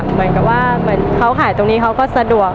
เหมือนกับว่าเหมือนเขาขายตรงนี้เขาก็สะดวก